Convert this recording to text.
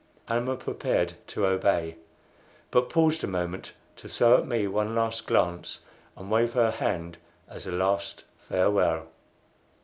Almah prepared to obey, but paused a moment to throw at me one last glance and wave her hand as a last farewell.